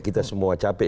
kita semua capek